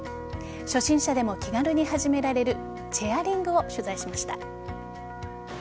初心者でも気軽に始められるチェアリングを取材しました。